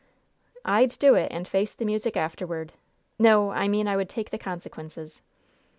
"I'd do it, and face the music afterward. No I mean I would take the consequences."